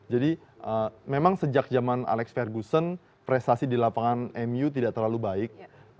jadi memang sejak zaman alex ferguson prestasi di lapangan mu tidak terlalu baik